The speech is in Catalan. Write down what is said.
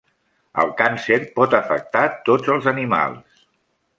El càncer pot afectar tots els animals.